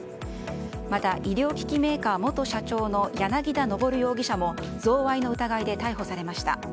また、医療機器メーカー元社長の柳田昇容疑者も贈賄の疑いで逮捕されました。